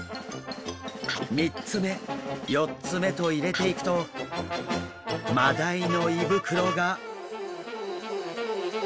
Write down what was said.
３つ目４つ目と入れていくとマダイの胃袋が。